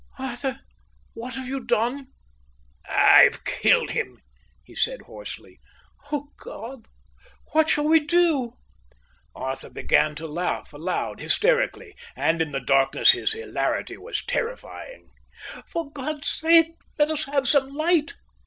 "Arthur, what have you done?" "I've killed him," he said hoarsely. "O God, what shall we do?" Arthur began to laugh aloud, hysterically, and in the darkness his hilarity was terrifying. "For God's sake let us have some light."